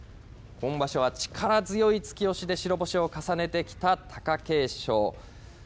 本場所は力強い突き押しで白星を重ねてきた貴景勝。